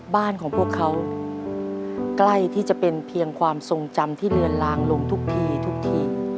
บ้านของพวกเขาใกล้ที่จะเป็นเพียงความทรงจำที่เลือนลางลงทุกทีทุกที